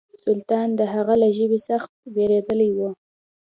سلطان د هغه له ژبې څخه سخت بېرېدلی و.